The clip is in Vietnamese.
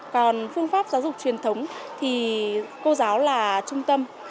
còn phương pháp giáo dục truyền thống thì cô giáo là trung tâm